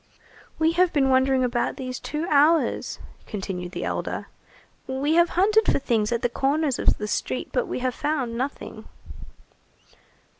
"We have been wandering about these two hours," continued the elder, "we have hunted for things at the corners of the streets, but we have found nothing."